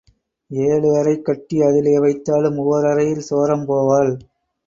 ஏழு அறை கட்டி அதிலே வைத்தாலும் ஓர் அறையில் சோரம் போவாள்.